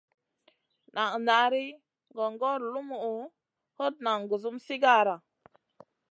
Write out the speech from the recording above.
Nan nari gongor lumuʼu, hot nan gusum sigara.